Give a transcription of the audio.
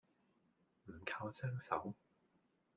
唔靠雙手